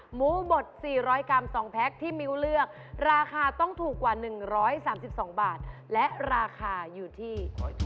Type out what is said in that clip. หมูบด๔๐๐กรัม๒แพ็คที่มิ้วเลือกราคาต้องถูกกว่า๑๓๒บาทและราคาอยู่ที่